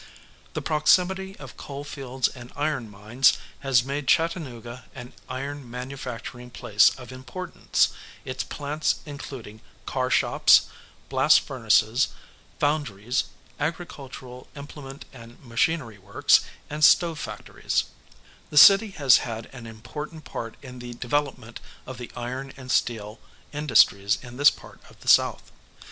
The proximity of coalfields and iron mines has made Chattanooga an iron manufacturing place of importance, its plants including car shops, blast furnaces, foundries, agricultural implement and machinery works, and stove factories; the city has had an important part in the development of the iron and steel industries in this part of the South.